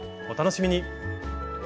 お楽しみに！